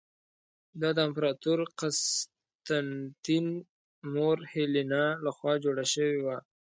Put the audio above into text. دا د امپراتور قسطنطین مور هیلینا له خوا جوړه شوې وه.